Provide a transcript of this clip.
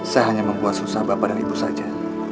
saya hanya membuat susah bapak dan ibu saja